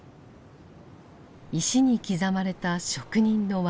石に刻まれた職人の技。